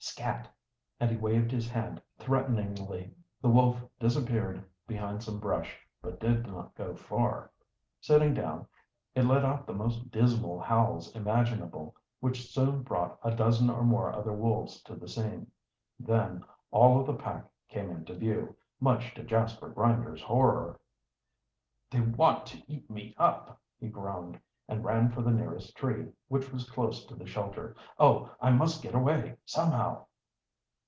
"Scat!" And he waved his hand threateningly. The wolf disappeared behind some brush, but did not go far. Sitting down, it let out the most dismal howls imaginable, which soon brought a dozen or more other wolves to the scene. Then all of the pack came into view, much to Jasper Grinder's horror. "They want to eat me up!" he groaned, and ran for the nearest tree, which was close to the shelter. "Oh, I must get away, somehow!"